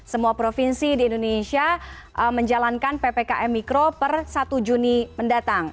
semua provinsi di indonesia menjalankan ppkm mikro per satu juni mendatang